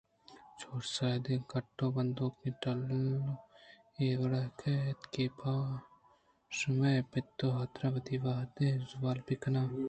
چوش ساہدارے ءِ گُٹّ ءِ بندوکیں ٹِلّو ءَ اے وڑےءَ کئے اِنت کہ پہ شمئے پت ءِحاترا وتی وہدءَ زوال بہ کنت